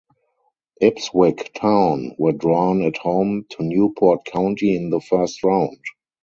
Ipswich Town were drawn at home to Newport County in the first round.